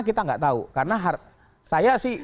kita nggak tahu karena saya sih